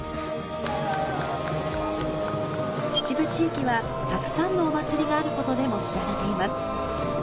秩父地域はたくさんのお祭りがあることでも知られています。